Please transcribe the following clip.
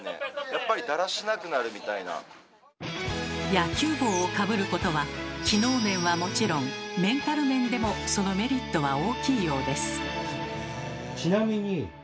野球帽をかぶることは機能面はもちろんメンタル面でもそのメリットは大きいようです。